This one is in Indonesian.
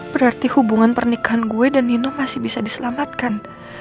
berarti hubungan pernikahan gue dan nino masih bisa diselamatkan